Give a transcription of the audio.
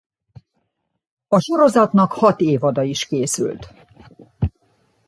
A sorozatnak hat évada is készült.